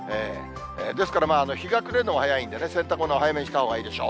ですから、日が暮れるのが早いんでね、洗濯物は早めにしたほうがいいでしょう。